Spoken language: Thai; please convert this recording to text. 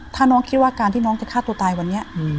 ถ้าน้องคิดว่าการที่น้องจะฆ่าตัวตายวันนี้